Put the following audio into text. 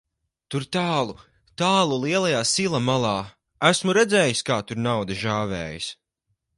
Tur tālu, tālu lielajā sila malā, esmu redzējis, kā tur nauda žāvējas.